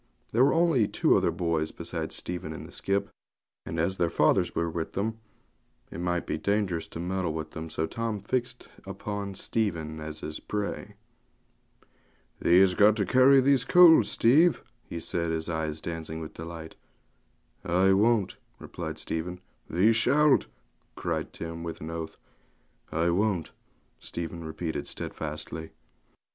There were only two other boys besides Stephen in the skip, and as their fathers were with them it might be dangerous to meddle with them; so Tim fixed upon Stephen as his prey. 'Thee has got to carry these coals, Steve,' he said, his eyes dancing with delight. 'I won't,' replied Stephen. 'Thee shalt,' cried Tim, with an oath. 'I won't,' Stephen repeated stedfastly.